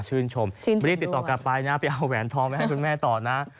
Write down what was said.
ชื่นชมไม่ได้ติดต่อกลับไปนะไปเอาแหวนทองใหม่ให้คุณแม่ต่อนะ